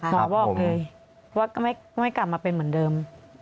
ครับผมเพราะว่าก็ไม่กลับมาเป็นเหมือนเดิม